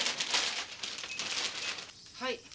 はい。